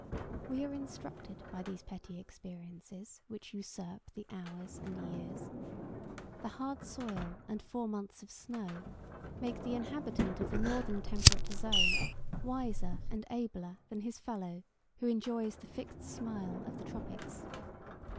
We are instructed by these petty experiences which usurp the hours and years. The hard soil and four months of snow make the inhabitant of the northern temperate zone wiser and abler than his fellow who enjoys the fixed smile of the tropics.